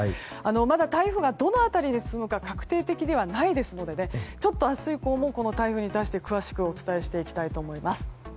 まだ台風がどの辺りに進むか確定的ではないのでちょっと明日以降もこの台風に対して詳しくお伝えしていきたいと思います。